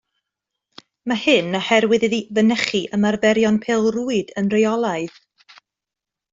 Mae hyn oherwydd iddi fynychu ymarferion pêl-rwyd yn rheolaidd